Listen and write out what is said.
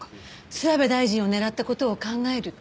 諏訪部大臣を狙った事を考えると。